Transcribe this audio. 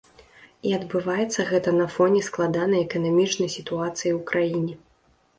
І адбываецца гэта на фоне складанай эканамічнай сітуацыі ў краіне.